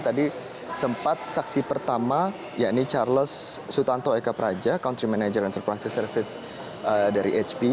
tadi sempat saksi pertama yakni charles sutanto eka praja country manager enterprise service dari hp